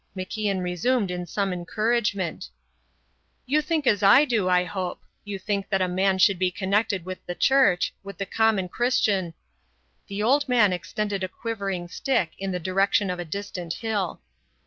MacIan resumed in some encouragement: "You think as I do, I hope; you think that a man should be connected with the Church; with the common Christian " The old man extended a quivering stick in the direction of a distant hill.